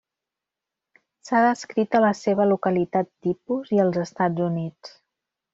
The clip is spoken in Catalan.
S'ha descrit a la seva localitat tipus i als Estats Units.